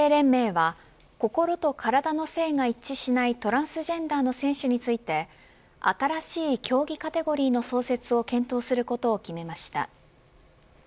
国際水泳連盟は心と体の性が一致しないトランスジェンダーの選手について新しい競技カテゴリーの創設を検討することを決めました。